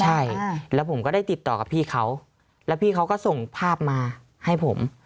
ใช่แล้วผมก็ได้ติดต่อกับพี่เขาแล้วพี่เขาก็ส่งภาพมาให้ผม